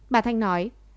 bà thanh nói